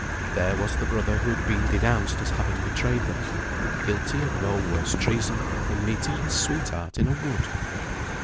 There was the brother who had been denounced as having betrayed them, guilty of no worse treason than meeting his sweetheart in a wood!